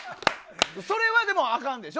それはあかんのでしょ？